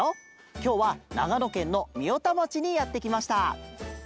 きょうはながのけんのみよたまちにやってきました。